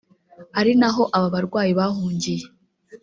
ari naho aba barwanyi bahungiye